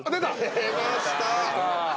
出ました。